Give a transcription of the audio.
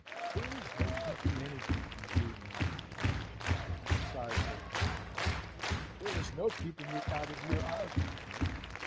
"There is no keeping anything from you, Martin Lambert," sighs the wife. "There is no keeping it out of your eyes, my dear.